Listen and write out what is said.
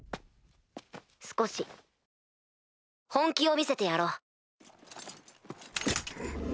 少し本気を見せてやろう。